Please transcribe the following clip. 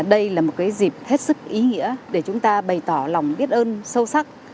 đây là một dịp hết sức ý nghĩa để chúng ta bày tỏ lòng biết ơn sâu sắc